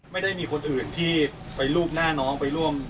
ไม่ได้มีคนอื่นที่ไปรูปหน้าน้องไปร่วม